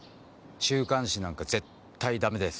週刊誌なんか絶対ダメです。